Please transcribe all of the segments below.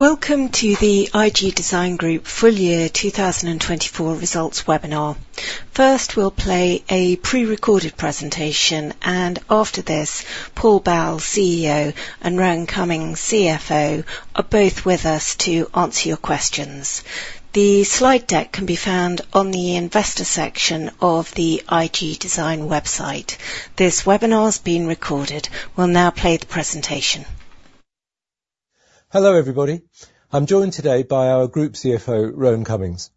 Welcome to the IG Design Group Full Year 2024 results webinar. First, we'll play a pre-recorded presentation, and after this, Paul Bal, CEO, and Rohan Cummings, CFO, are both with us to answer your questions. The slide deck can be found on the investor section of the IG Design website. This webinar is being recorded. We'll now play the presentation. Hello, everybody. I'm joined today by our group CFO, Rohan Cummings.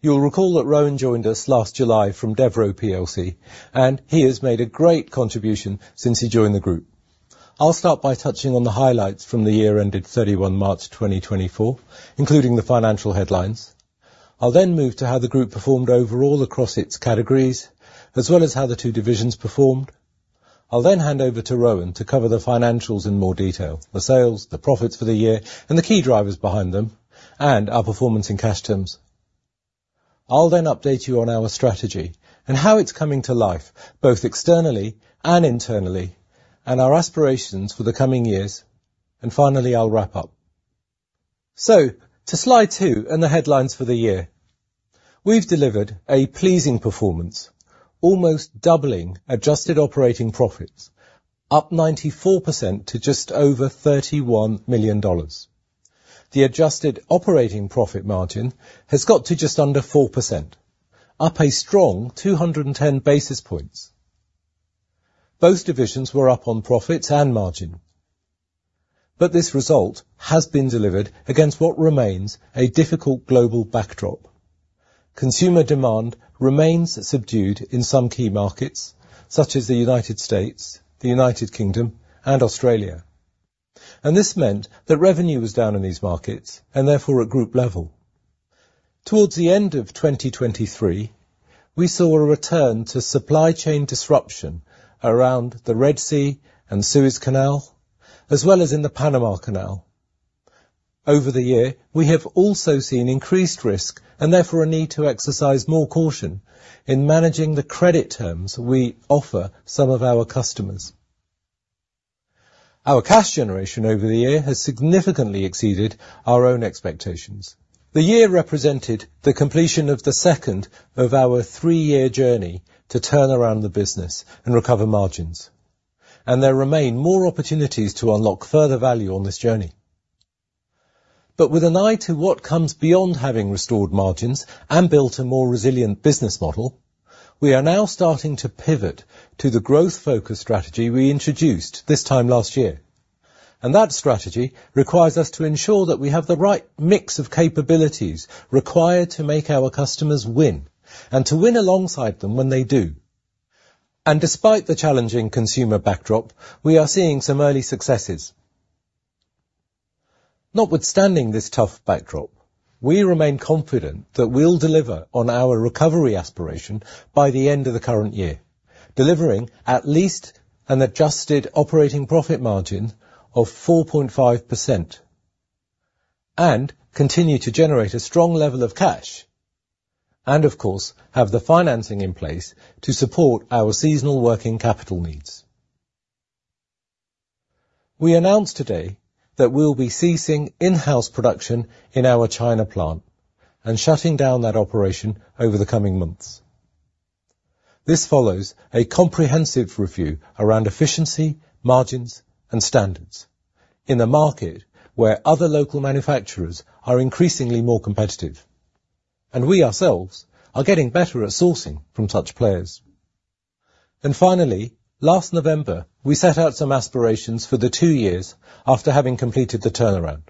You'll recall that Rohan joined us last July from Devro plc, and he has made a great contribution since he joined the group. I'll start by touching on the highlights from the year ended 31 March 2024, including the financial headlines. I'll then move to how the group performed overall across its categories, as well as how the two divisions performed. I'll then hand over to Rohan to cover the financials in more detail, the sales, the profits for the year, and the key drivers behind them, and our performance in cash terms. I'll then update you on our strategy and how it's coming to life, both externally and internally, and our aspirations for the coming years. Finally, I'll wrap up. To Slide two and the headlines for the year. We've delivered a pleasing performance, almost doubling adjusted operating profits, up 94% to just over $31 million. The adjusted operating profit margin has got to just under 4%, up a strong 210 basis points. Both divisions were up on profits and margin, but this result has been delivered against what remains a difficult global backdrop. Consumer demand remains subdued in some key markets, such as the United States, the United Kingdom, and Australia, and this meant that revenue was down in these markets, and therefore, at group level. Towards the end of 2023, we saw a return to supply chain disruption around the Red Sea and Suez Canal, as well as in the Panama Canal. Over the year, we have also seen increased risk, and therefore a need to exercise more caution in managing the credit terms we offer some of our customers. Our cash generation over the year has significantly exceeded our own expectations. The year represented the completion of the second of our three-year journey to turn around the business and recover margins, and there remain more opportunities to unlock further value on this journey. But with an eye to what comes beyond having restored margins and built a more resilient business model, we are now starting to pivot to the growth-focused strategy we introduced this time last year. And that strategy requires us to ensure that we have the right mix of capabilities required to make our customers win, and to win alongside them when they do. And despite the challenging consumer backdrop, we are seeing some early successes. Notwithstanding this tough backdrop, we remain confident that we'll deliver on our recovery aspiration by the end of the current year, delivering at least an adjusted operating profit margin of 4.5% and continue to generate a strong level of cash, and of course, have the financing in place to support our seasonal working capital needs. We announced today that we'll be ceasing in-house production in our China plant and shutting down that operation over the coming months. This follows a comprehensive review around efficiency, margins, and standards in a market where other local manufacturers are increasingly more competitive, and we ourselves are getting better at sourcing from such players. Finally, last November, we set out some aspirations for the two years after having completed the turnaround,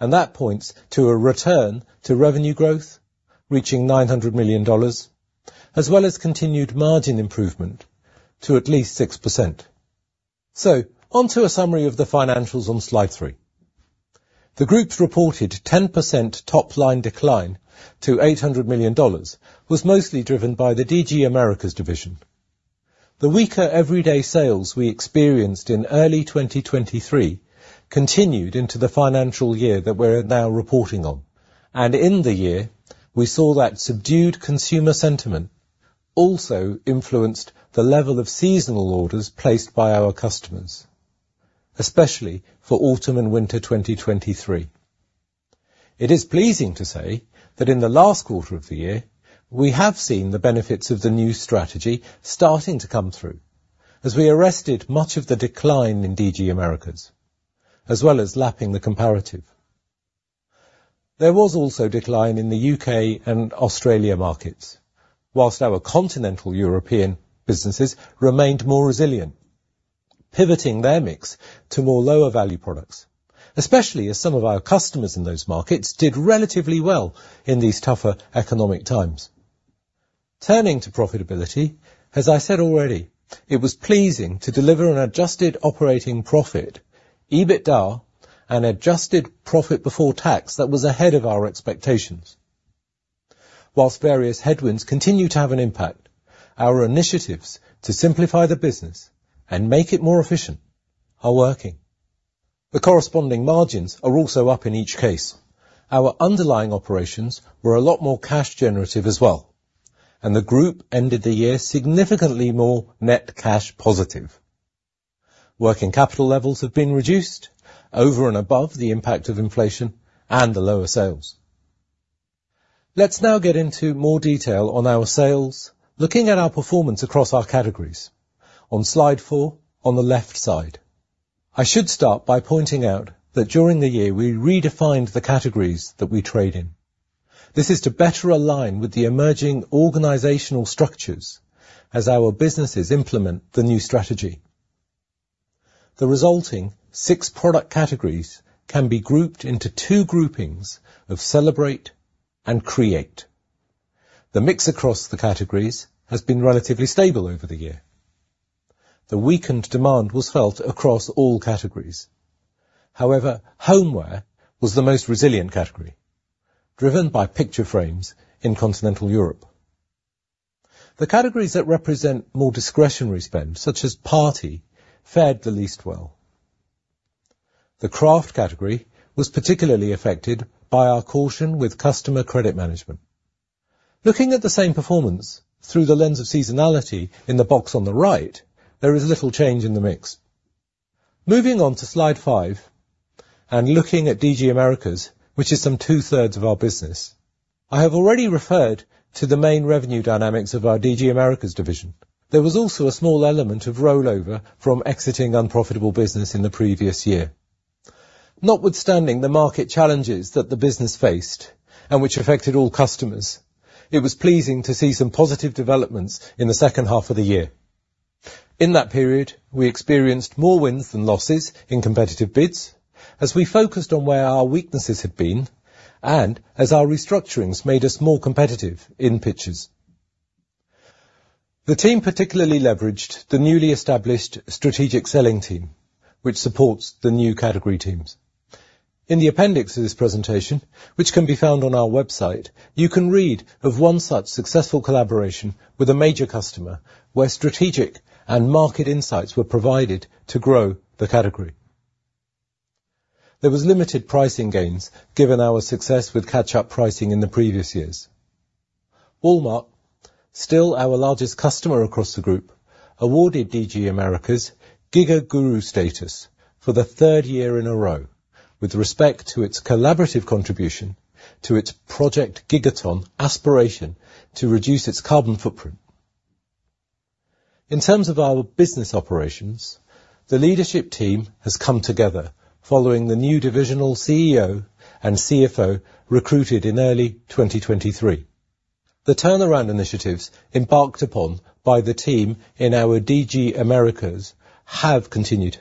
and that points to a return to revenue growth, reaching $900 million, as well as continued margin improvement to at least 6%. So onto a summary of the financials on Slide 3. The group's reported 10% top-line decline to $800 million was mostly driven by the DG Americas division. The weaker everyday sales we experienced in early 2023 continued into the financial year that we're now reporting on, and in the year, we saw that subdued consumer sentiment also influenced the level of seasonal orders placed by our customers, especially for autumn and winter 2023. It is pleasing to say that in the last quarter of the year, we have seen the benefits of the new strategy starting to come through as we arrested much of the decline in DG Americas, as well as lapping the comparative. There was also decline in the U.K. and Australia markets, while our Continental European businesses remained more resilient, pivoting their mix to more lower value products, especially as some of our customers in those markets did relatively well in these tougher economic times. Turning to profitability, as I said already, it was pleasing to deliver an adjusted operating profit, EBITDA, and adjusted profit before tax that was ahead of our expectations. While various headwinds continue to have an impact, our initiatives to simplify the business and make it more efficient are working. The corresponding margins are also up in each case. Our underlying operations were a lot more cash generative as well.... and the group ended the year significantly more net cash positive. Working capital levels have been reduced over and above the impact of inflation and the lower sales. Let's now get into more detail on our sales, looking at our performance across our categories. On Slide 4, on the left side, I should start by pointing out that during the year, we redefined the categories that we trade in. This is to better align with the emerging organizational structures as our businesses implement the new strategy. The resulting 6 product categories can be grouped into 2 groupings of Celebrate and Create. The mix across the categories has been relatively stable over the year. The weakened demand was felt across all categories. However, homeware was the most resilient category, driven by picture frames in Continental Europe. The categories that represent more discretionary spend, such as party, fared the least well. The craft category was particularly affected by our caution with customer credit management. Looking at the same performance through the lens of seasonality in the box on the right, there is little change in the mix. Moving on to Slide 5 and looking at DG Americas, which is some two-thirds of our business, I have already referred to the main revenue dynamics of our DG Americas division. There was also a small element of rollover from exiting unprofitable business in the previous year. Notwithstanding the market challenges that the business faced and which affected all customers, it was pleasing to see some positive developments in the second half of the year. In that period, we experienced more wins than losses in competitive bids as we focused on where our weaknesses had been and as our restructurings made us more competitive in pitches. The team particularly leveraged the newly established strategic selling team, which supports the new category teams. In the appendix of this presentation, which can be found on our website, you can read of one such successful collaboration with a major customer, where strategic and market insights were provided to grow the category. There was limited pricing gains, given our success with catch-up pricing in the previous years. Walmart, still our largest customer across the group, awarded DG Americas Giga-Guru status for the third year in a row, with respect to its collaborative contribution to its Project Gigaton aspiration to reduce its carbon footprint. In terms of our business operations, the leadership team has come together following the new divisional CEO and CFO, recruited in early 2023. The turnaround initiatives embarked upon by the team in our DG Americas have continued.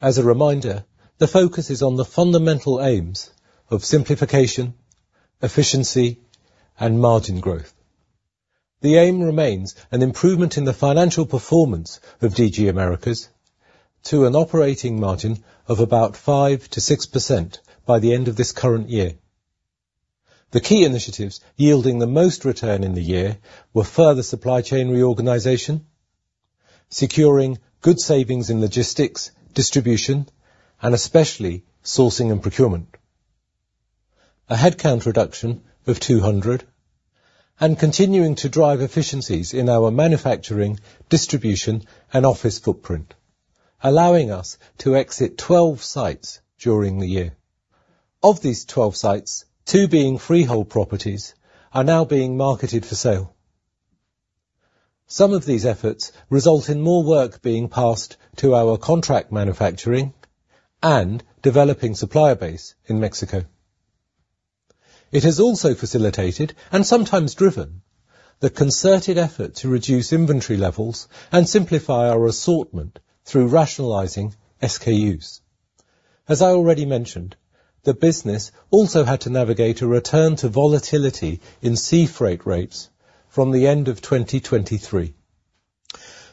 As a reminder, the focus is on the fundamental aims of simplification, efficiency, and margin growth. The aim remains an improvement in the financial performance of DG Americas to an operating margin of about 5%-6% by the end of this current year. The key initiatives yielding the most return in the year were further supply chain reorganization, securing good savings in logistics, distribution, and especially sourcing and procurement, a headcount reduction of 200, and continuing to drive efficiencies in our manufacturing, distribution, and office footprint, allowing us to exit 12 sites during the year. Of these 12 sites, two being freehold properties, are now being marketed for sale. Some of these efforts result in more work being passed to our contract manufacturing and developing supplier base in Mexico. It has also facilitated, and sometimes driven, the concerted effort to reduce inventory levels and simplify our assortment through rationalizing SKUs. As I already mentioned, the business also had to navigate a return to volatility in sea freight rates from the end of 2023.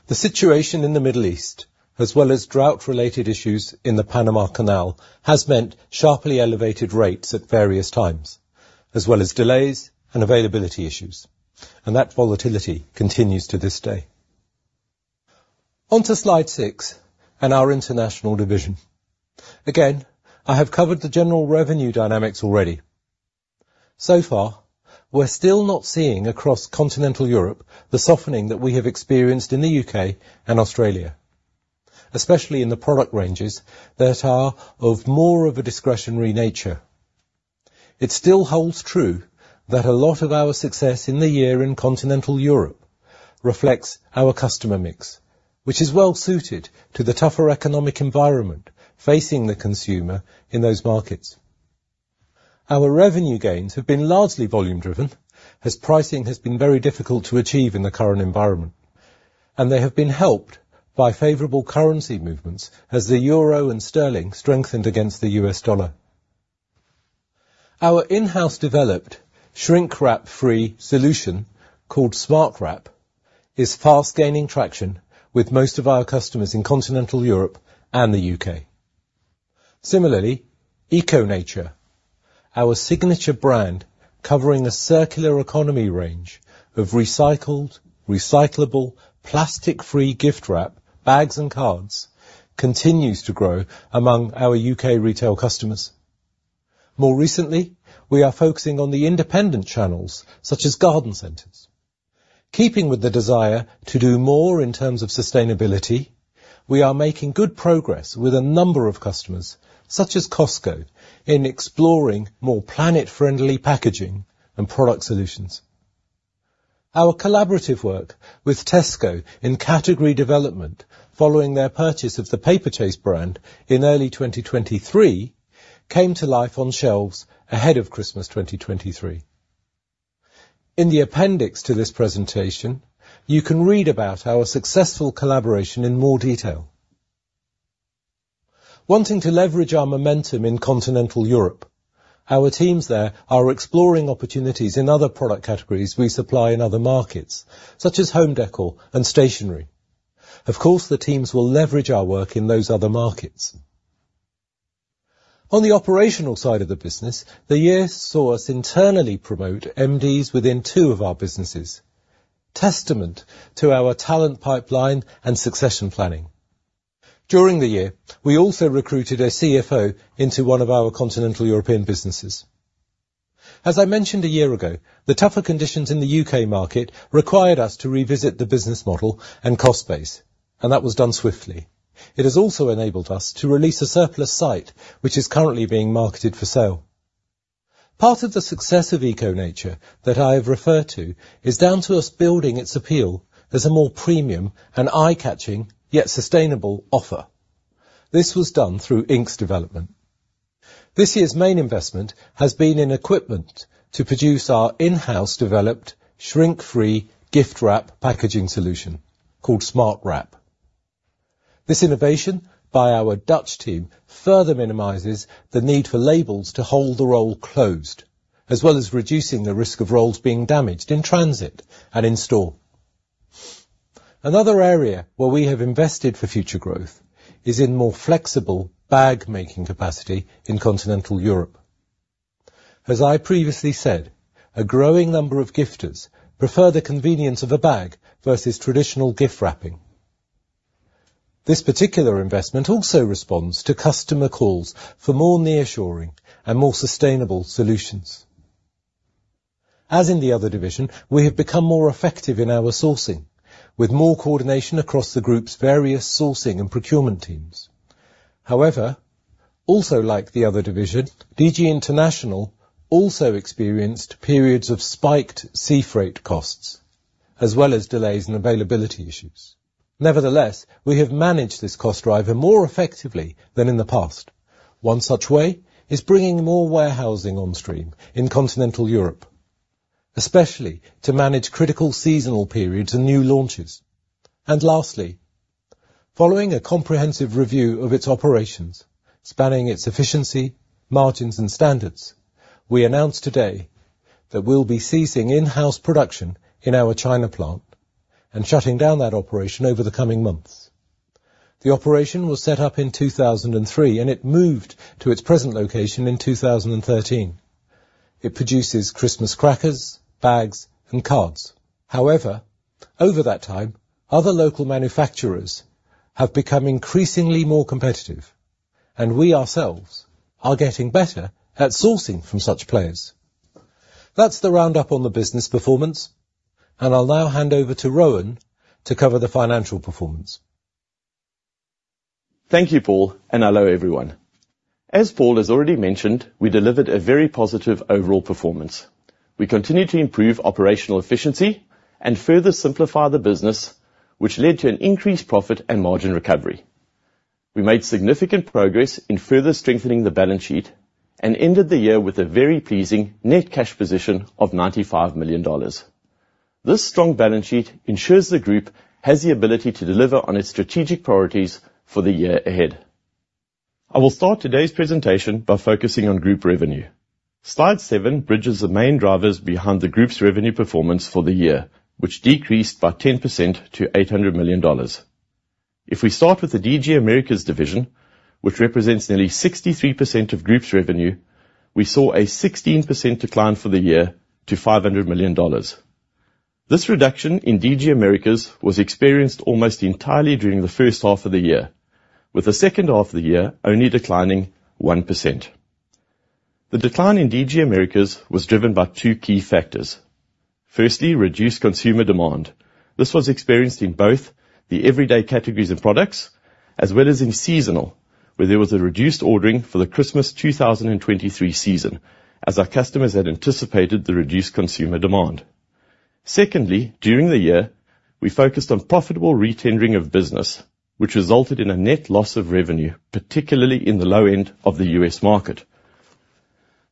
The situation in the Middle East, as well as drought-related issues in the Panama Canal, has meant sharply elevated rates at various times, as well as delays and availability issues, and that volatility continues to this day. On to Slide 6 and our international division. Again, I have covered the general revenue dynamics already. So far, we're still not seeing across Continental Europe the softening that we have experienced in the U.K. and Australia, especially in the product ranges that are of more of a discretionary nature. It still holds true that a lot of our success in the year in Continental Europe reflects our customer mix, which is well-suited to the tougher economic environment facing the consumer in those markets. Our revenue gains have been largely volume-driven, as pricing has been very difficult to achieve in the current environment, and they have been helped by favorable currency movements as the euro and sterling strengthened against the U.S. dollar. Our in-house developed shrink wrap-free solution, called SmartWrap, is fast gaining traction with most of our customers in Continental Europe and the U.K. Similarly, Eco Nature, our signature brand, covering a circular economy range of recycled, recyclable, plastic-free gift wrap, bags, and cards, continues to grow among our U.K. retail customers. More recently, we are focusing on the independent channels, such as garden centers. Keeping with the desire to do more in terms of sustainability, we are making good progress with a number of customers, such as Costco, in exploring more planet-friendly packaging and product solutions. Our collaborative work with Tesco in category development, following their purchase of the Paperchase brand in early 2023, came to life on shelves ahead of Christmas 2023. In the appendix to this presentation, you can read about our successful collaboration in more detail. Wanting to leverage our momentum in Continental Europe, our teams there are exploring opportunities in other product categories we supply in other markets, such as home decor and stationery. Of course, the teams will leverage our work in those other markets. On the operational side of the business, the year saw us internally promote MDs within two of our businesses, testament to our talent pipeline and succession planning. During the year, we also recruited a CFO into one of our Continental European businesses. As I mentioned a year ago, the tougher conditions in the U.K. market required us to revisit the business model and cost base, and that was done swiftly. It has also enabled us to release a surplus site, which is currently being marketed for sale. Part of the success of Eco Nature that I have referred to is down to us building its appeal as a more premium and eye-catching, yet sustainable offer. This was done through inks development. This year's main investment has been in equipment to produce our in-house developed, shrink-free gift wrap packaging solution called SmartWrap. This innovation by our Dutch team further minimizes the need for labels to hold the roll closed, as well as reducing the risk of rolls being damaged in transit and in store. Another area where we have invested for future growth is in more flexible bag-making capacity in Continental Europe. As I previously said, a growing number of gifters prefer the convenience of a bag versus traditional gift wrapping. This particular investment also responds to customer calls for more nearshoring and more sustainable solutions. As in the other division, we have become more effective in our sourcing, with more coordination across the Group's various sourcing and procurement teams. However, also like the other division, DG International also experienced periods of spiked sea freight costs, as well as delays and availability issues. Nevertheless, we have managed this cost driver more effectively than in the past. One such way is bringing more warehousing on stream in Continental Europe, especially to manage critical seasonal periods and new launches. And lastly, following a comprehensive review of its operations, spanning its efficiency, margins, and standards, we announce today that we'll be ceasing in-house production in our China plant and shutting down that operation over the coming months. The operation was set up in 2003, and it moved to its present location in 2013. It produces Christmas crackers, bags, and cards. However, over that time, other local manufacturers have become increasingly more competitive, and we ourselves are getting better at sourcing from such players. That's the roundup on the business performance, and I'll now hand over to Rohan to cover the financial performance. Thank you, Paul, and hello, everyone. As Paul has already mentioned, we delivered a very positive overall performance. We continued to improve operational efficiency and further simplify the business, which led to an increased profit and margin recovery. We made significant progress in further strengthening the balance sheet and ended the year with a very pleasing net cash position of $95 million. This strong balance sheet ensures the Group has the ability to deliver on its strategic priorities for the year ahead. I will start today's presentation by focusing on Group revenue. Slide 7 bridges the main drivers behind the Group's revenue performance for the year, which decreased by 10% to $800 million. If we start with the DG Americas division, which represents nearly 63% of Group's revenue, we saw a 16% decline for the year to $500 million. This reduction in DG Americas was experienced almost entirely during the first half of the year, with the second half of the year only declining 1%. The decline in DG Americas was driven by two key factors. Firstly, reduced consumer demand. This was experienced in both the everyday categories and products, as well as in seasonal, where there was a reduced ordering for the Christmas 2023 season, as our customers had anticipated the reduced consumer demand. Secondly, during the year, we focused on profitable retendering of business, which resulted in a net loss of revenue, particularly in the low end of the U.S. market.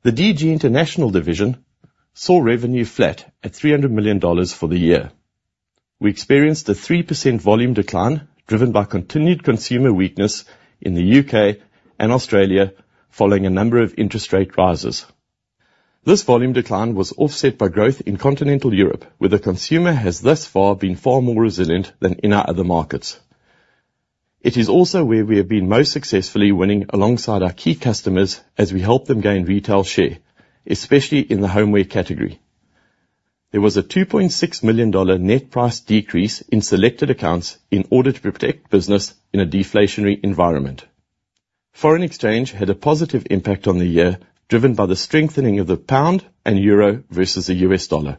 The DG International division saw revenue flat at $300 million for the year. We experienced a 3% volume decline, driven by continued consumer weakness in the U.K. and Australia, following a number of interest rate rises. This volume decline was offset by growth in Continental Europe, where the consumer has thus far been far more resilient than in our other markets. It is also where we have been most successfully winning alongside our key customers as we help them gain retail share, especially in the homeware category. There was a $2.6 million net price decrease in selected accounts in order to protect business in a deflationary environment. Foreign exchange had a positive impact on the year, driven by the strengthening of the pound and euro versus the U.S. dollar.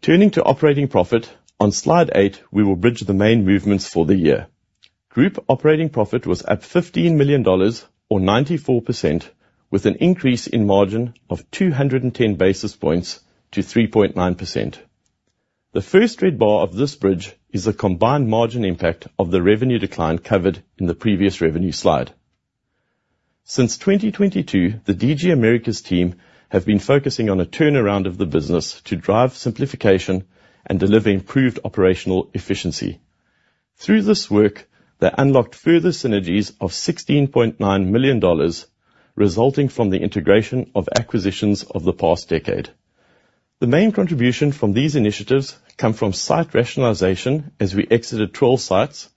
Turning to operating profit, on slide 8, we will bridge the main movements for the year. Group operating profit was up $15 million, or 94%, with an increase in margin of 210 basis points to 3.9%. The first red bar of this bridge is a combined margin impact of the revenue decline covered in the previous revenue slide. Since 2022, the DG Americas team have been focusing on a turnaround of the business to drive simplification and deliver improved operational efficiency. Through this work, they unlocked further synergies of $16.9 million, resulting from the integration of acquisitions of the past decade. The main contribution from these initiatives come from site rationalization as we exited 12 sites,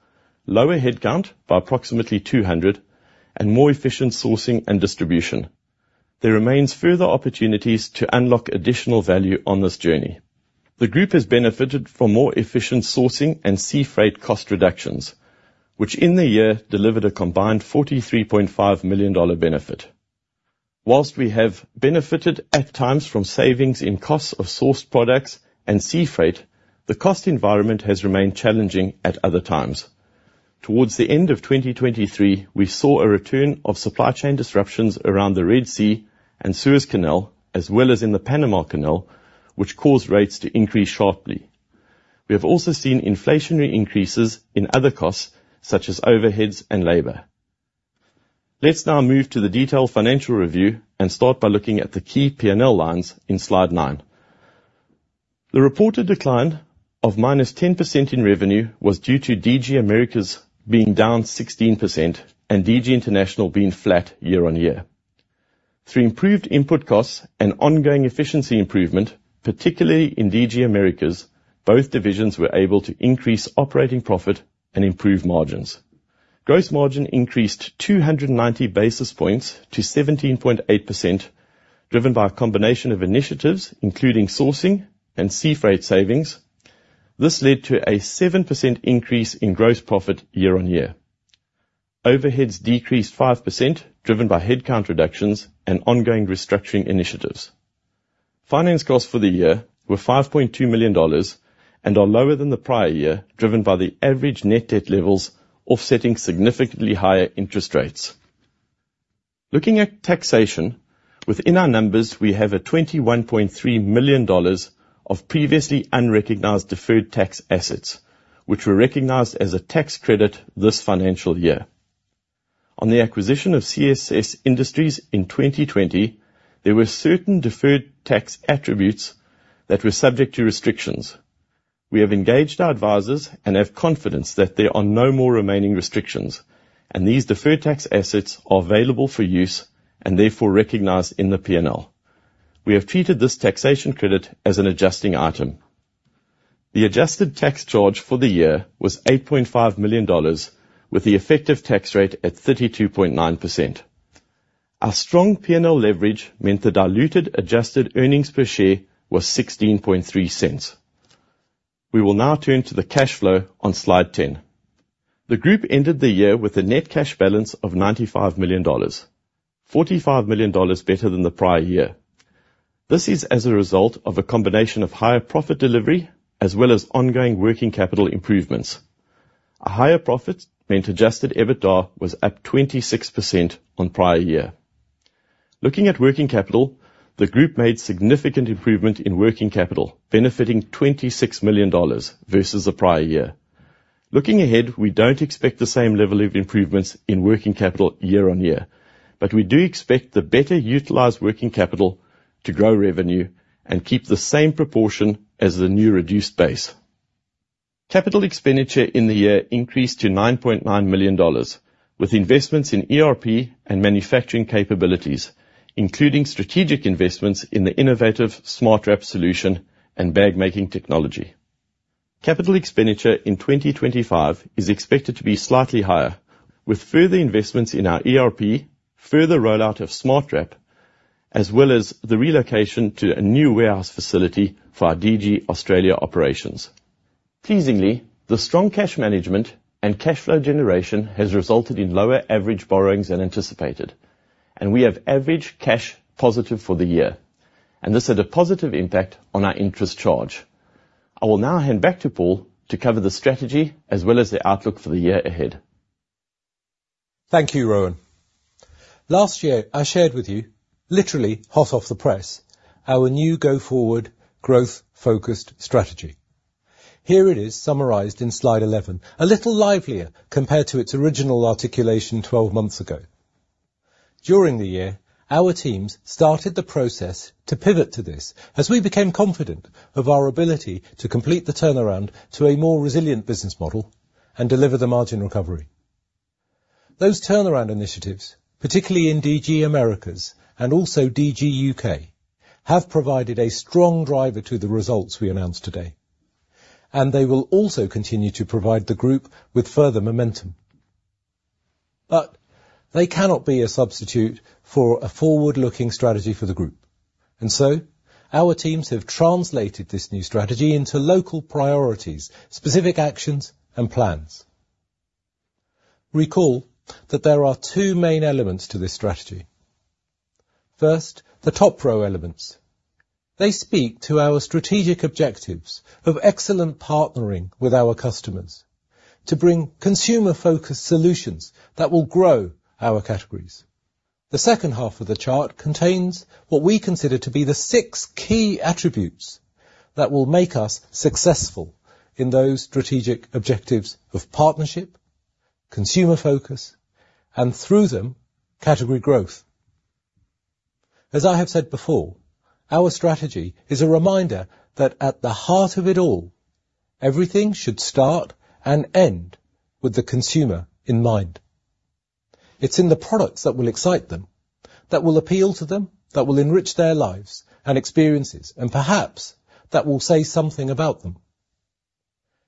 lower headcount by approximately 200, and more efficient sourcing and distribution. There remains further opportunities to unlock additional value on this journey. The group has benefited from more efficient sourcing and sea freight cost reductions, which in the year delivered a combined $43.5 million benefit. While we have benefited at times from savings in costs of sourced products and sea freight, the cost environment has remained challenging at other times. Towards the end of 2023, we saw a return of supply chain disruptions around the Red Sea and Suez Canal, as well as in the Panama Canal, which caused rates to increase sharply. We have also seen inflationary increases in other costs, such as overheads and labor. Let's now move to the detailed financial review and start by looking at the key P&L lines in slide 9. The reported decline of -10% in revenue was due to DG Americas being down 16% and DG International being flat year-on-year. Through improved input costs and ongoing efficiency improvement, particularly in DG Americas, both divisions were able to increase operating profit and improve margins. Gross margin increased 290 basis points to 17.8%, driven by a combination of initiatives, including sourcing and sea freight savings. This led to a 7% increase in gross profit year-on-year. Overheads decreased 5%, driven by headcount reductions and ongoing restructuring initiatives. Finance costs for the year were $5.2 million and are lower than the prior year, driven by the average net debt levels, offsetting significantly higher interest rates. Looking at taxation, within our numbers, we have $21.3 million of previously unrecognized deferred tax assets, which were recognized as a tax credit this financial year. On the acquisition of CSS Industries in 2020, there were certain deferred tax attributes that were subject to restrictions. We have engaged our advisors and have confidence that there are no more remaining restrictions, and these deferred tax assets are available for use, and therefore recognized in the P&L. We have treated this taxation credit as an adjusting item. The adjusted tax charge for the year was $8.5 million, with the effective tax rate at 32.9%. Our strong P&L leverage meant the diluted adjusted earnings per share was $0.163. We will now turn to the cash flow on slide 10. The group ended the year with a net cash balance of $95 million, $45 million better than the prior year. This is as a result of a combination of higher profit delivery as well as ongoing working capital improvements. A higher profit meant adjusted EBITDA was up 26% on prior year. Looking at working capital, the group made significant improvement in working capital, benefiting $26 million versus the prior year. Looking ahead, we don't expect the same level of improvements in working capital year-on-year, but we do expect the better utilized working capital to grow revenue and keep the same proportion as the new reduced base. Capital expenditure in the year increased to $9.9 million, with investments in ERP and manufacturing capabilities, including strategic investments in the innovative SmartWrap solution and bag-making technology. Capital expenditure in 2025 is expected to be slightly higher, with further investments in our ERP, further rollout of SmartWrap, as well as the relocation to a new warehouse facility for our DG Australia operations. Pleasingly, the strong cash management and cash flow generation has resulted in lower average borrowings than anticipated, and we have averaged cash positive for the year, and this had a positive impact on our interest charge. I will now hand back to Paul to cover the strategy as well as the outlook for the year ahead. Thank you, Rohan. Last year, I shared with you, literally hot off the press, our new go-forward growth-focused strategy. Here it is summarized in slide 11, a little livelier compared to its original articulation 12 months ago. During the year, our teams started the process to pivot to this as we became confident of our ability to complete the turnaround to a more resilient business model and deliver the margin recovery. Those turnaround initiatives, particularly in DG Americas and also DG U.K., have provided a strong driver to the results we announced today, and they will also continue to provide the group with further momentum... but they cannot be a substitute for a forward-looking strategy for the group. And so our teams have translated this new strategy into local priorities, specific actions, and plans. Recall that there are two main elements to this strategy. First, the top row elements. They speak to our strategic objectives of excellent partnering with our customers to bring consumer-focused solutions that will grow our categories. The second half of the chart contains what we consider to be the six key attributes that will make us successful in those strategic objectives of partnership, consumer focus, and through them, category growth. As I have said before, our strategy is a reminder that at the heart of it all, everything should start and end with the consumer in mind. It's in the products that will excite them, that will appeal to them, that will enrich their lives and experiences, and perhaps that will say something about them.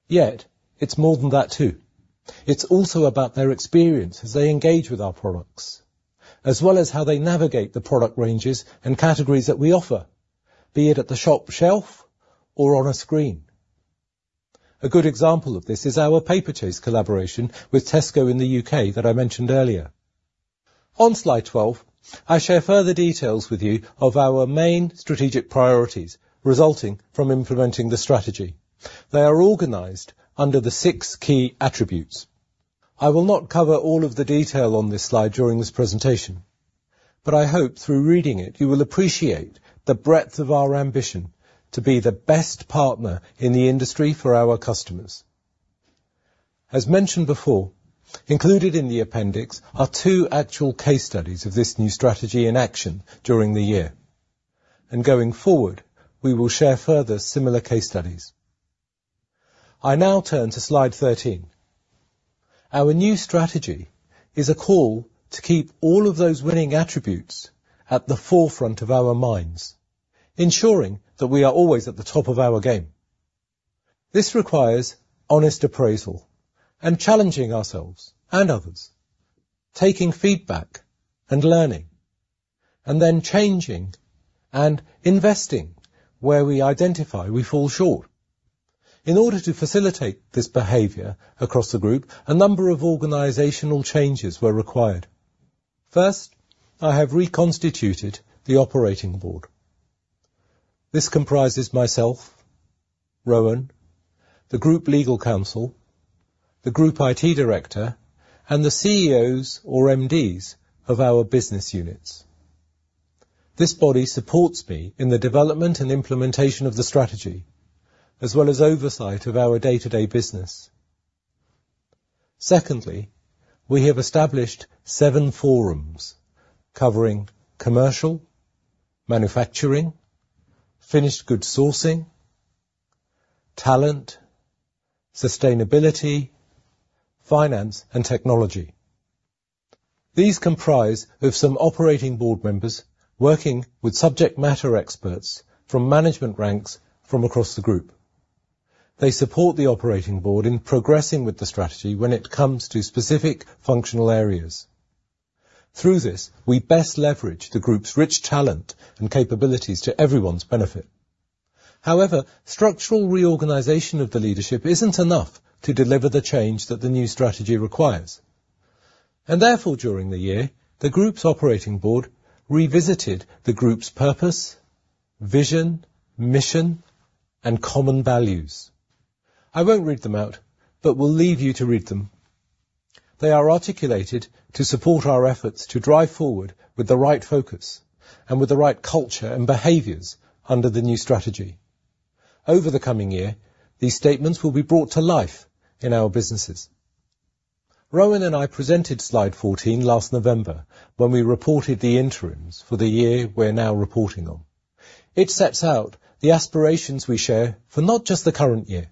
Yet, it's more than that, too. It's also about their experience as they engage with our products, as well as how they navigate the product ranges and categories that we offer, be it at the shop shelf or on a screen. A good example of this is our Paperchase collaboration with Tesco in the U.K. that I mentioned earlier. On slide 12, I share further details with you of our main strategic priorities resulting from implementing the strategy. They are organized under the six key attributes. I will not cover all of the detail on this slide during this presentation, but I hope through reading it, you will appreciate the breadth of our ambition to be the best partner in the industry for our customers. As mentioned before, included in the appendix are two actual case studies of this new strategy in action during the year, and going forward, we will share further similar case studies. I now turn to slide 13. Our new strategy is a call to keep all of those winning attributes at the forefront of our minds, ensuring that we are always at the top of our game. This requires honest appraisal and challenging ourselves and others, taking feedback and learning, and then changing and investing where we identify we fall short. In order to facilitate this behavior across the group, a number of organizational changes were required. First, I have reconstituted the operating board. This comprises myself, Rohan, the group legal counsel, the group IT director, and the CEOs or MDs of our business units. This body supports me in the development and implementation of the strategy, as well as oversight of our day-to-day business. Secondly, we have established seven forums covering commercial, manufacturing, finished good sourcing, talent, sustainability, finance, and technology. These comprise of some operating board members working with subject matter experts from management ranks from across the group. They support the operating board in progressing with the strategy when it comes to specific functional areas. Through this, we best leverage the group's rich talent and capabilities to everyone's benefit. However, structural reorganization of the leadership isn't enough to deliver the change that the new strategy requires, and therefore, during the year, the group's operating board revisited the group's purpose, vision, mission, and common values. I won't read them out, but will leave you to read them. They are articulated to support our efforts to drive forward with the right focus and with the right culture and behaviors under the new strategy. Over the coming year, these statements will be brought to life in our businesses. Rohan and I presented slide 14 last November when we reported the interims for the year we're now reporting on. It sets out the aspirations we share for not just the current year,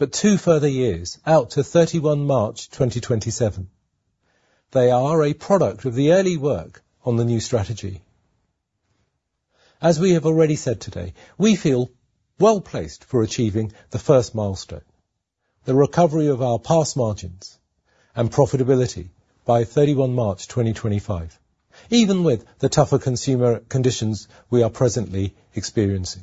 but two further years out to 31 March 2027. They are a product of the early work on the new strategy. As we have already said today, we feel well-placed for achieving the first milestone, the recovery of our past margins and profitability by 31 March 2025, even with the tougher consumer conditions we are presently experiencing.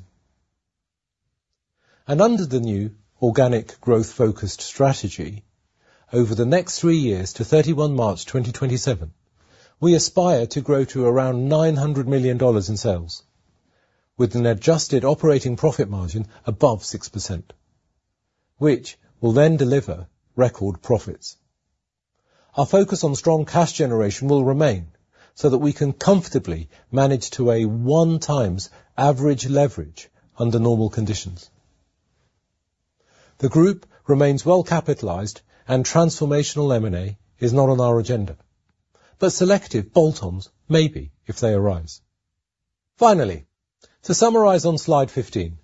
Under the new organic growth-focused strategy, over the next three years to 31 March 2027, we aspire to grow to around $900 million in sales, with an adjusted operating profit margin above 6%, which will then deliver record profits. Our focus on strong cash generation will remain so that we can comfortably manage to a 1x average leverage under normal conditions. The group remains well-capitalized and transformational M&A is not on our agenda, but selective bolt-ons may be if they arise. Finally, to summarize on slide 15,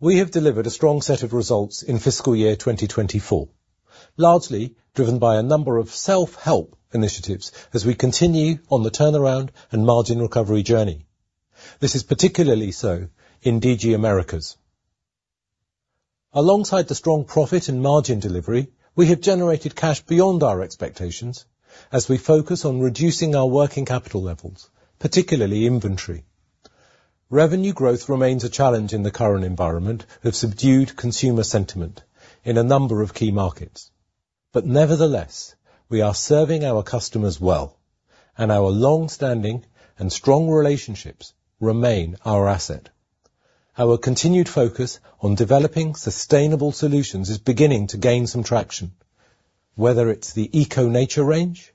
we have delivered a strong set of results in fiscal year 2024, largely driven by a number of self-help initiatives as we continue on the turnaround and margin recovery journey. This is particularly so in DG Americas... Alongside the strong profit and margin delivery, we have generated cash beyond our expectations as we focus on reducing our working capital levels, particularly inventory. Revenue growth remains a challenge in the current environment of subdued consumer sentiment in a number of key markets. Nevertheless, we are serving our customers well, and our long-standing and strong relationships remain our asset. Our continued focus on developing sustainable solutions is beginning to gain some traction, whether it's the Eco Nature range,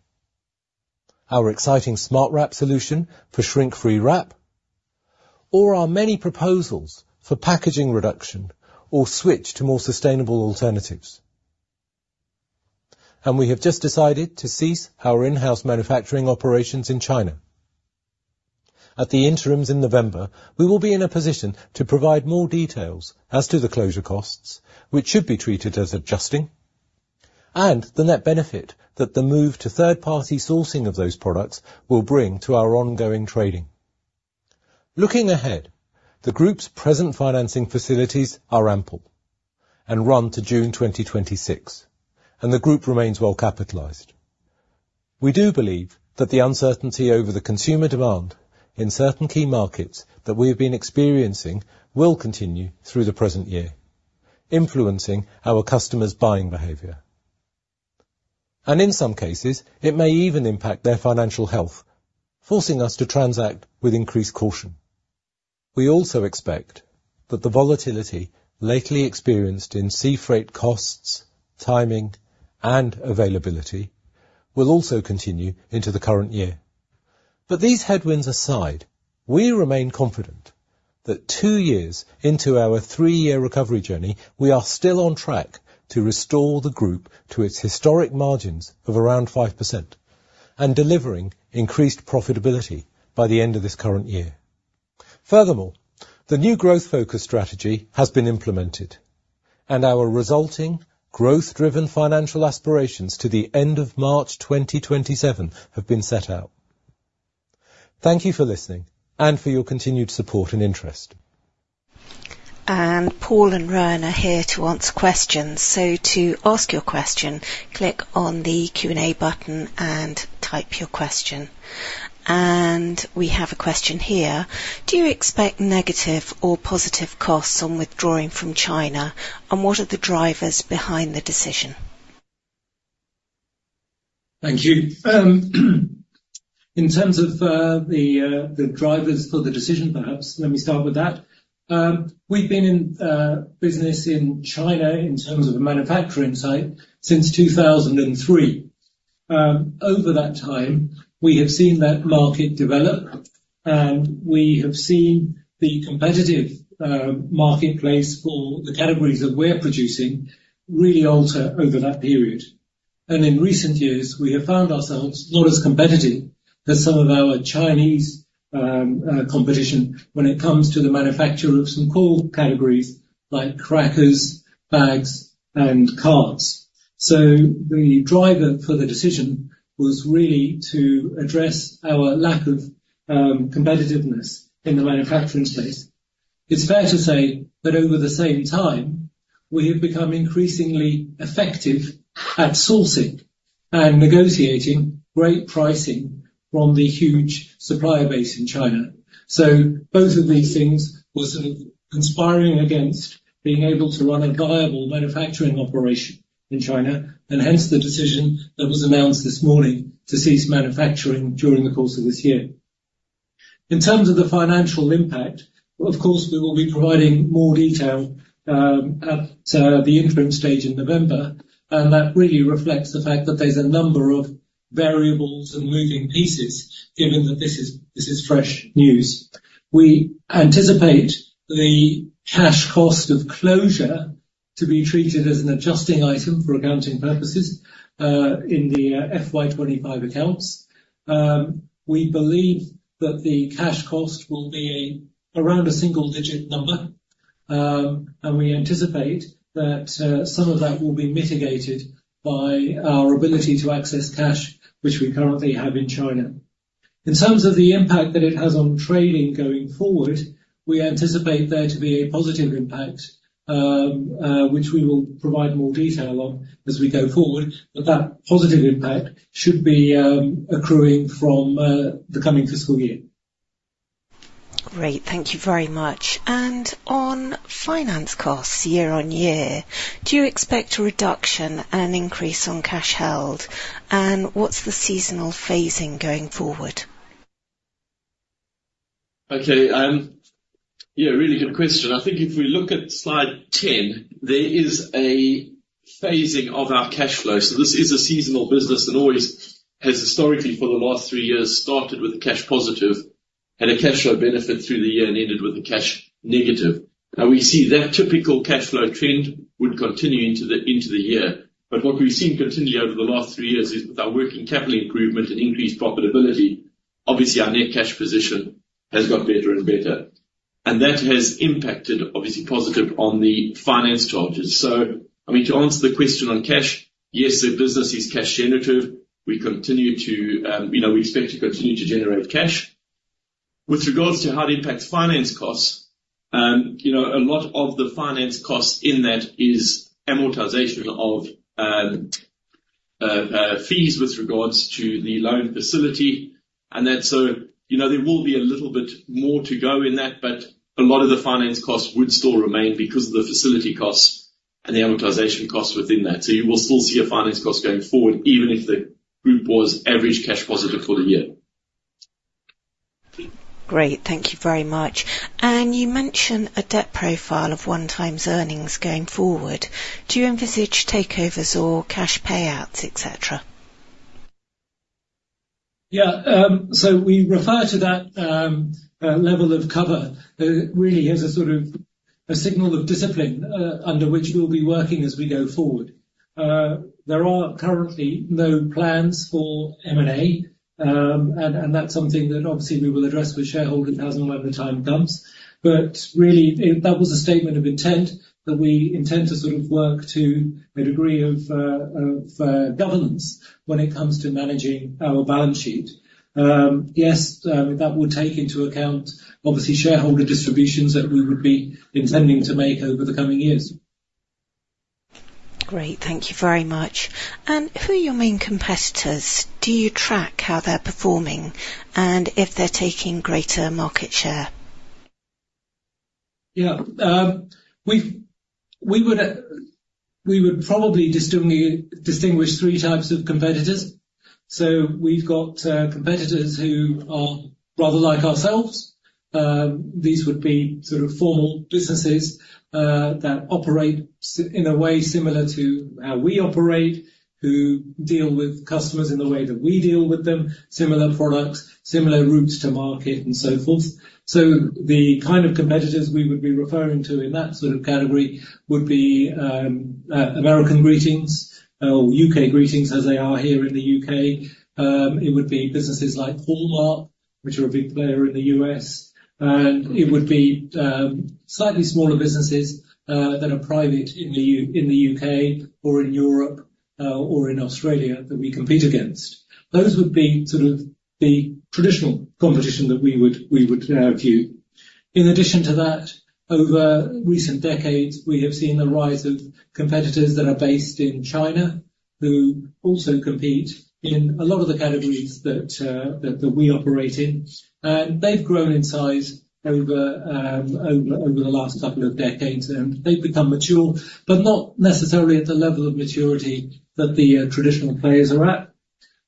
our exciting SmartWrap solution for shrink-free wrap, or our many proposals for packaging reduction or switch to more sustainable alternatives. We have just decided to cease our in-house manufacturing operations in China. At the interims in November, we will be in a position to provide more details as to the closure costs, which should be treated as adjusting, and the net benefit that the move to third-party sourcing of those products will bring to our ongoing trading. Looking ahead, the Group's present financing facilities are ample and run to June 2026, and the Group remains well capitalized. We do believe that the uncertainty over the consumer demand in certain key markets that we have been experiencing will continue through the present year, influencing our customers' buying behavior. In some cases, it may even impact their financial health, forcing us to transact with increased caution. We also expect that the volatility lately experienced in sea freight costs, timing, and availability will also continue into the current year. But these headwinds aside, we remain confident that 2 years into our 3-year recovery journey, we are still on track to restore the Group to its historic margins of around 5% and delivering increased profitability by the end of this current year. Furthermore, the new growth-focused strategy has been implemented, and our resulting growth-driven financial aspirations to the end of March 2027 have been set out. Thank you for listening and for your continued support and interest. Paul and Rohan are here to answer questions. To ask your question, click on the Q&A button and type your question. We have a question here: Do you expect negative or positive costs on withdrawing from China, and what are the drivers behind the decision? Thank you. In terms of the drivers for the decision, perhaps let me start with that. We've been in business in China in terms of a manufacturing site since 2003. Over that time, we have seen that market develop, and we have seen the competitive marketplace for the categories that we're producing really alter over that period. And in recent years, we have found ourselves not as competitive as some of our Chinese competition when it comes to the manufacture of some core categories like crackers, bags, and cards. So the driver for the decision was really to address our lack of competitiveness in the manufacturing space. It's fair to say that over the same time, we have become increasingly effective at sourcing and negotiating great pricing from the huge supplier base in China. So both of these things were sort of conspiring against being able to run a viable manufacturing operation in China, and hence the decision that was announced this morning to cease manufacturing during the course of this year. In terms of the financial impact, of course, we will be providing more detail at the interim stage in November, and that really reflects the fact that there's a number of variables and moving pieces, given that this is fresh news. We anticipate the cash cost of closure to be treated as an adjusting item for accounting purposes in the FY 2025 accounts. We believe that the cash cost will be around a single-digit GBP million, and we anticipate that some of that will be mitigated by our ability to access cash, which we currently have in China. In terms of the impact that it has on trading going forward, we anticipate there to be a positive impact, which we will provide more detail on as we go forward. But that positive impact should be accruing from the coming fiscal year. Great. Thank you very much. On finance costs year on year, do you expect a reduction and increase on cash held, and what's the seasonal phasing going forward? Okay, yeah, really good question. I think if we look at slide 10, there is a phasing of our cash flow. So this is a seasonal business and always has historically, for the last three years, started with a cash positive and a cash flow benefit through the year and ended with a cash negative. Now, we see that typical cash flow trend would continue into the year, but what we've seen continually over the last three years is, with our working capital improvement and increased profitability, obviously, our net cash position has got better and better, and that has impacted, obviously, positive on the finance charges. So, I mean, to answer the question on cash, yes, the business is cash generative. We continue to, you know, we expect to continue to generate cash. ... With regards to how it impacts finance costs, you know, a lot of the finance costs in that is amortization of fees with regards to the loan facility, and you know, there will be a little bit more to go in that, but a lot of the finance costs would still remain because of the facility costs and the amortization costs within that. So you will still see a finance cost going forward, even if the group was average cash positive for the year. Great. Thank you very much. You mentioned a debt profile of 1 times earnings going forward. Do you envisage takeovers or cash payouts, et cetera? Yeah, so we refer to that level of cover really as a sort of a signal of discipline under which we'll be working as we go forward. There are currently no plans for M&A, and that's something that obviously we will address with shareholders when the time comes. But really, that was a statement of intent, that we intend to sort of work to a degree of governance when it comes to managing our balance sheet. Yes, that would take into account, obviously, shareholder distributions that we would be intending to make over the coming years. Great. Thank you very much. And who are your main competitors? Do you track how they're performing, and if they're taking greater market share? Yeah, we've we would probably distinguish three types of competitors. So we've got, competitors who are rather like ourselves. These would be sort of formal businesses, that operate in a way similar to how we operate, who deal with customers in the way that we deal with them, similar products, similar routes to market, and so forth. So the kind of competitors we would be referring to in that sort of category would be, American Greetings or UK Greetings, as they are here in the U.K. It would be businesses like Hallmark, which are a big player in the U.S., and it would be, slightly smaller businesses, that are private in the U.K. or in Europe, or in Australia that we compete against. Those would be sort of the traditional competition that we would view. In addition to that, over recent decades, we have seen the rise of competitors that are based in China, who also compete in a lot of the categories that we operate in, and they've grown in size over the last couple of decades, and they've become mature, but not necessarily at the level of maturity that the traditional players are at.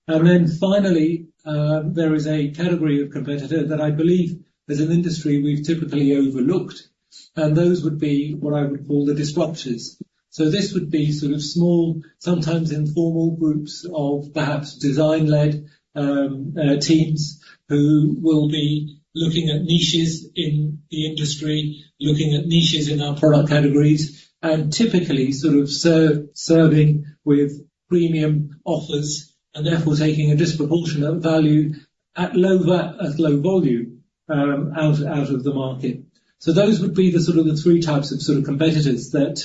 Then finally, there is a category of competitor that I believe, as an industry, we've typically overlooked, and those would be what I would call the disruptors. So this would be sort of small, sometimes informal groups of perhaps design-led teams, who will be looking at niches in the industry, looking at niches in our product categories, and typically serving with premium offers, and therefore taking a disproportionate value at lower, at low volume out of the market. So those would be the three types of competitors that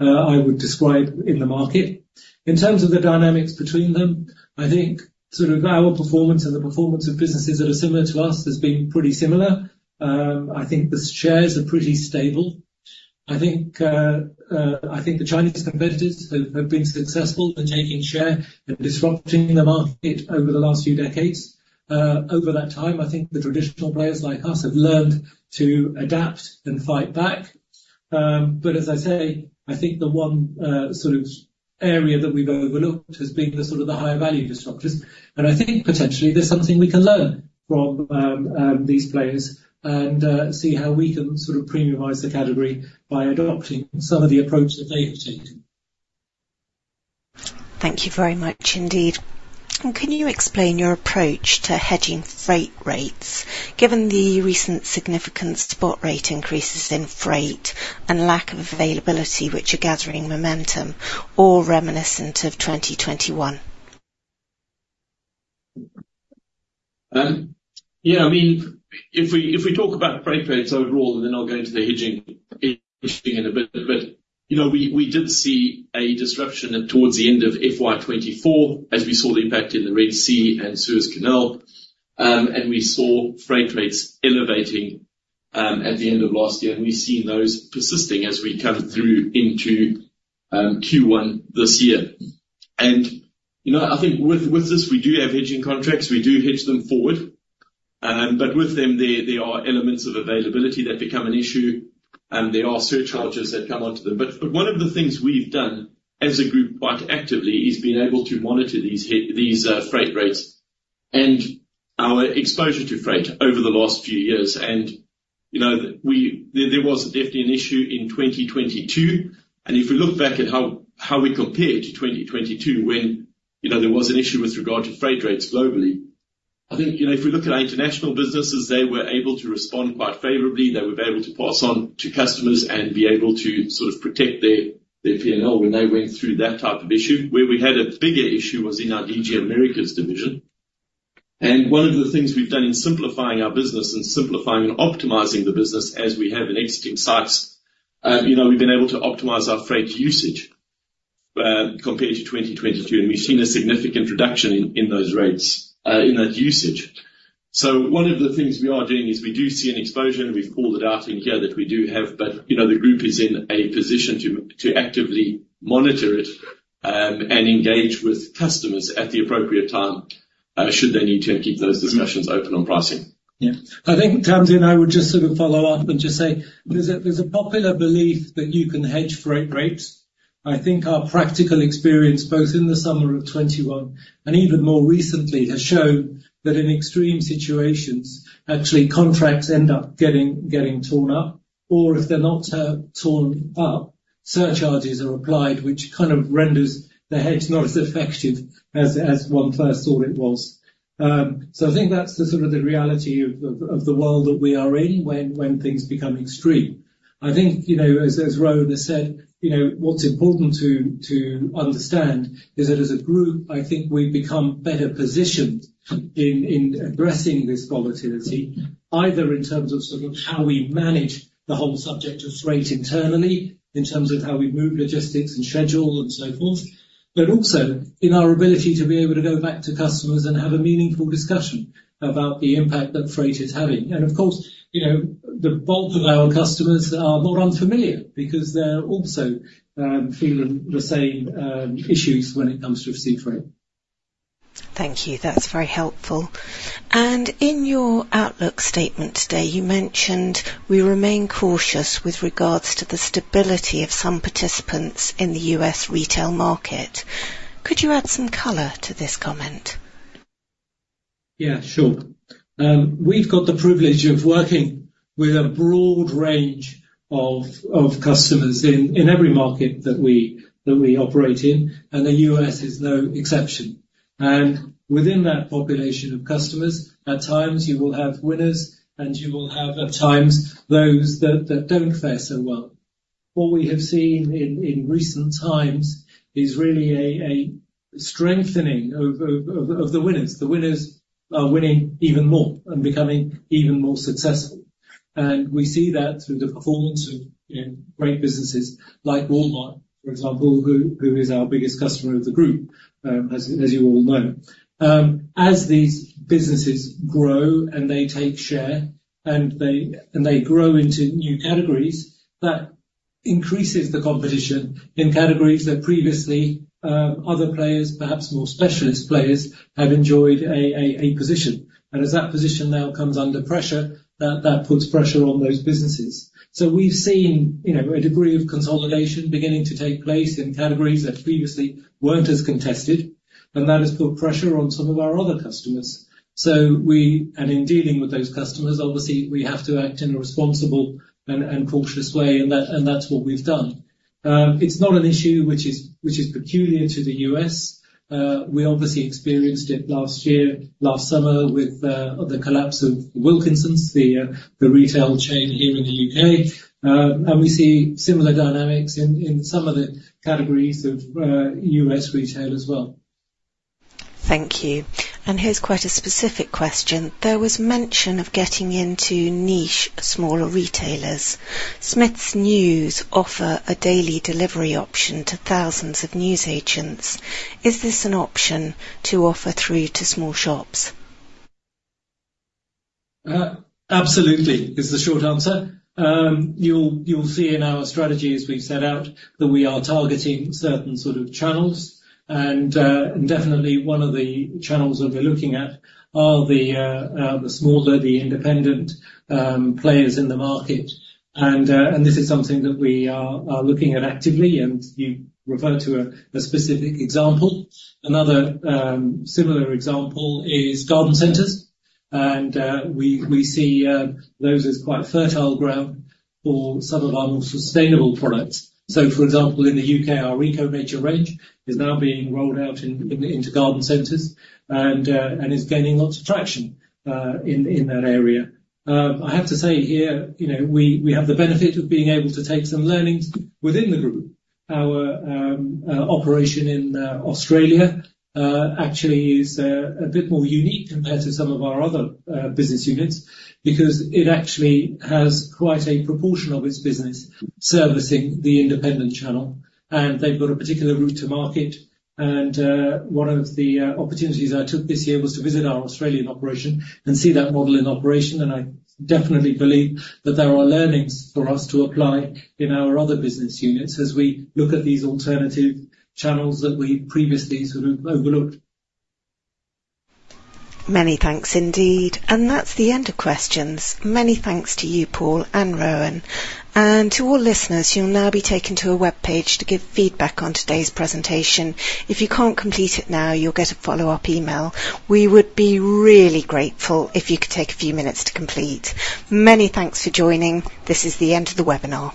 I would describe in the market. In terms of the dynamics between them, I think our performance and the performance of businesses that are similar to us has been pretty similar. I think the shares are pretty stable. I think the Chinese competitors have been successful in taking share and disrupting the market over the last few decades. Over that time, I think the traditional players like us have learned to adapt and fight back. But as I say, I think the one sort of area that we've overlooked has been the sort of higher value disruptors, and I think potentially there's something we can learn from these players and see how we can sort of premiumize the category by adopting some of the approach that they have taken. Thank you very much indeed. Can you explain your approach to hedging freight rates, given the recent significant spot rate increases in freight and lack of availability, which are gathering momentum or reminiscent of 2021? Yeah, I mean, if we talk about freight rates overall, and then I'll go into the hedging in a bit, but you know, we did see a disruption towards the end of FY 2024 as we saw the impact in the Red Sea and Suez Canal, and we saw freight rates elevating at the end of last year, and we've seen those persisting as we come through into Q1 this year. And you know, I think with this, we do have hedging contracts. We do hedge them forward, but with them, there are elements of availability that become an issue, and there are surcharges that come onto them. But one of the things we've done as a group, quite actively, is being able to monitor these freight rates and our exposure to freight over the last few years. And, you know, there was definitely an issue in 2022, and if we look back at how we compared to 2022, when, you know, there was an issue with regard to freight rates globally, I think, you know, if we look at our international businesses, they were able to respond quite favorably. They were able to pass on to customers and be able to sort of protect their P&L when they went through that type of issue. Where we had a bigger issue was in our DG Americas division. One of the things we've done in simplifying our business and simplifying and optimizing the business as we have in exiting sites, you know, we've been able to optimize our freight usage, compared to 2022, and we've seen a significant reduction in those rates, in that usage. So one of the things we are doing is we do see an exposure, and we've called it out in here that we do have, but, you know, the group is in a position to actively monitor it, and engage with customers at the appropriate time, should they need to keep those discussions open on pricing. Yeah. I think, Tammy and I would just sort of follow up and just say, there's a popular belief that you can hedge freight rates. I think our practical experience, both in the summer of 2021 and even more recently, has shown that in extreme situations, actually contracts end up getting torn up, or if they're not torn up, surcharges are applied, which kind of renders the hedge not as effective as one first thought it was. So I think that's sort of the reality of the world that we are in when things become extreme. I think, you know, as Rohan has said, you know, what's important to understand is that, as a group, I think we've become better positioned in addressing this volatility, either in terms of sort of how we manage the whole subject of freight internally, in terms of how we move logistics and schedule and so forth, but also in our ability to be able to go back to customers and have a meaningful discussion about the impact that freight is having. And of course, you know, the bulk of our customers are not unfamiliar, because they're also feeling the same issues when it comes to sea freight. Thank you. That's very helpful. And in your outlook statement today, you mentioned, "We remain cautious with regards to the stability of some participants in the U.S. retail market." Could you add some color to this comment? Yeah, sure. We've got the privilege of working with a broad range of customers in every market that we operate in, and the U.S. is no exception. Within that population of customers, at times you will have winners, and you will have, at times, those that don't fare so well. What we have seen in recent times is really a strengthening of the winners. The winners are winning even more and becoming even more successful. We see that through the performance of, you know, great businesses like Walmart, for example, who is our biggest customer of the group, as you all know. As these businesses grow and they take share and they grow into new categories, that increases the competition in categories that previously other players, perhaps more specialist players, have enjoyed a position. And as that position now comes under pressure, that puts pressure on those businesses. So we've seen, you know, a degree of consolidation beginning to take place in categories that previously weren't as contested, and that has put pressure on some of our other customers. So we... And in dealing with those customers, obviously, we have to act in a responsible and cautious way, and that's what we've done. It's not an issue which is peculiar to the U.S. We obviously experienced it last year, last summer, with the collapse of Wilkinsons, the retail chain here in the U.K., and we see similar dynamics in some of the categories of U.S. retail as well. Thank you. Here's quite a specific question: There was mention of getting into niche, smaller retailers. Smiths News offer a daily delivery option to thousands of newsagents. Is this an option to offer through to small shops? Absolutely is the short answer. You'll see in our strategy, as we've set out, that we are targeting certain sort of channels. And definitely one of the channels that we're looking at are the smaller, the independent players in the market. And this is something that we are looking at actively, and you refer to a specific example. Another similar example is garden centers, and we see those as quite fertile ground for some of our more sustainable products. So, for example, in the U.K., our Eco Nature range is now being rolled out into garden centers, and is gaining lots of traction in that area. I have to say here, you know, we, we have the benefit of being able to take some learnings within the group. Our operation in Australia actually is a bit more unique compared to some of our other business units, because it actually has quite a proportion of its business servicing the independent channel, and they've got a particular route to market. And one of the opportunities I took this year was to visit our Australian operation and see that model in operation, and I definitely believe that there are learnings for us to apply in our other business units, as we look at these alternative channels that we previously sort of overlooked. Many thanks indeed. And that's the end of questions. Many thanks to you, Paul and Rohan. And to all listeners, you'll now be taken to a webpage to give feedback on today's presentation. If you can't complete it now, you'll get a follow-up email. We would be really grateful if you could take a few minutes to complete. Many thanks for joining. This is the end of the webinar.